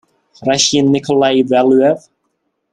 Russian Nikolai Valuev.